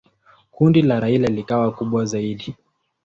Kundi la Raila likawa kubwa zaidi.